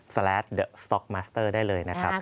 สต็อกมาสเตอร์ได้เลยนะครับ